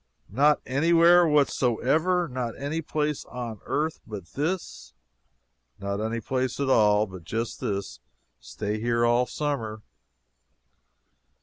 "Not anywhere whatsoever? not any place on earth but this?" "Not any place at all but just this stay here all summer."